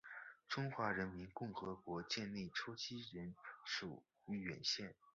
中华人民共和国建立初期仍属绥远省。